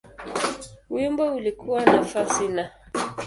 Wimbo ulikuwa nafasi Na.